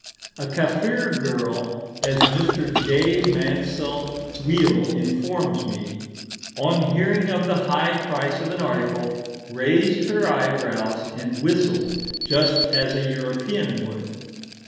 A Kafir girl, as Mr. J. Mansel Weale informs me, "on hearing of the high price of an article, raised her eyebrows and whistled just as a European would."